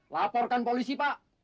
laporkan polisi pak